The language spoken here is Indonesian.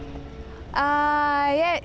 untuk kami ini adalah pengalaman